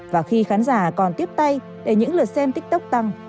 và khi khán giả còn tiếp tay để những lượt xem tiktok tăng